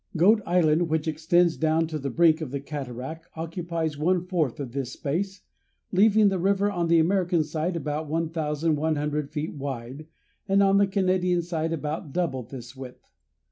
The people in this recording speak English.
Goat Island, which extends down to the brink of the cataract, occupies one fourth of this space, leaving the river on the American side about 1,100 feet wide and on the Canadian side about double this width.